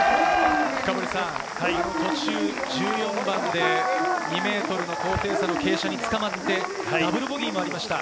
途中、１４番で２ｍの高低差の傾斜につかまって、ダブルボギーもありました。